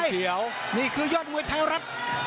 เขียวนี่คือยอดมวยไทยรัฐ